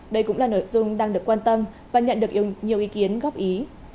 đây cũng là nội dung đang được quan tâm và nhận được nhiều ý kiến góp ý